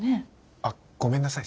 あっごめんなさい